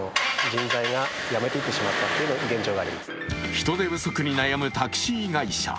人手不足に悩むタクシー会社